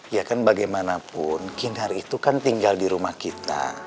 ya kan bagaimanapun kinar itu kan tinggal di rumah kita